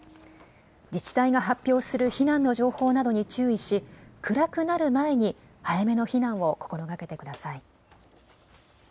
自治体が発表する避難の情報などに注意し、暗くなる前に早めの避難を心がけてください。